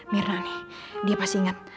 mirna nih dia pasti ingat